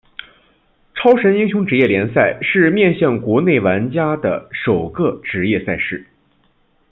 超神英雄职业联赛是面向国内玩家的首个职业赛事。